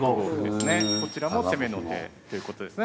こちらも攻めの手ということですね。